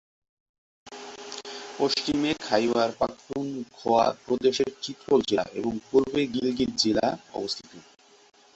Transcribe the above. পশ্চিমে, খাইবার পাখতুনখোয়া প্রদেশের চিত্রল জেলা এবং পূর্বে গিলগিত জেলা অবস্থিত।